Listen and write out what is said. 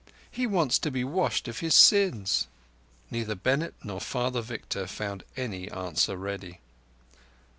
He wants to be washed of his sins." Neither Bennett nor Father Victor found any answer ready.